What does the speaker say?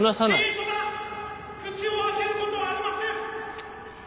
Ｋトラ口を開けることはありません！